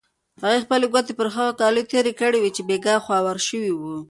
هغې خپلې ګوتې پر هغو کالیو تېرې کړې چې بېګا هوار شوي وو.